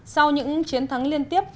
sau những chiến thắng liên tiếp